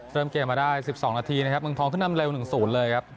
เริ่มเกมมาได้๑๒นาทีนะครับเมืองทองขึ้นนำเร็ว๑๐เลยครับ